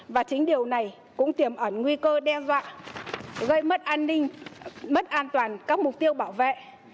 và chính điều này cũng tiềm ẩn nguy cơ đe dọa gây mất an ninh mất an toàn các mục tiêu bảo vệ